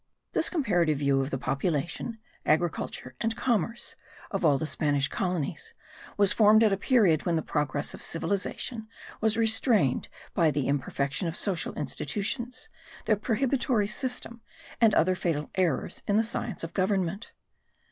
This comparative view of the population, agriculture and commerce of all the Spanish colonies was formed at a period when the progress of civilization was restrained by the imperfection of social institutions, the prohibitory system and other fatal errors in the science of government.